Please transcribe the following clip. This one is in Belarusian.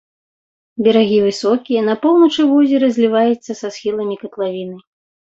Берагі высокія, на поўначы возера зліваюцца са схіламі катлавіны.